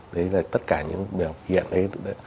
đấy là tất cả những biểu hiện đấy